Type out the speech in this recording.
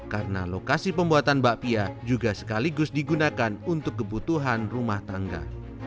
karena lokasi pembuatan bakpia juga sekaligus digunakan untuk kebutuhan rumah tangga